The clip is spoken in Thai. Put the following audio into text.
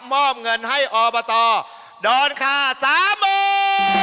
มอบเงินให้อบตดอนค่าสามหมื่น